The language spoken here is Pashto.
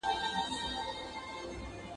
• خر چي پر دانه مړ سي، شهيد دئ.